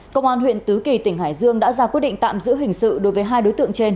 công an huyện tứ kỳ tỉnh hải dương đã ra quyết định tạm giữ hình sự đối với hai đối tượng trên